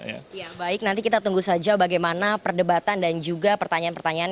ya baik nanti kita tunggu saja bagaimana perdebatan dan juga pertanyaan pertanyaan